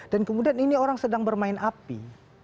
dan kemudian ini orang sedang bermain api